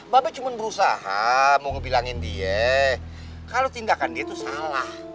babi cuma berusaha mau ngebilangin dia kalo tindakan dia tuh salah